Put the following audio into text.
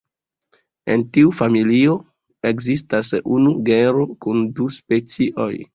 En tiu familio ekzistas unu genro kun du specioj.